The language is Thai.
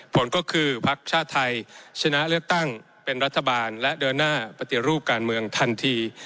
ผลก็คือภักดิ์ชาติไทยชนะเลือกตั้งเป็นรัฐบาลและเดินหน้าปฏิรูปการเมืองทันที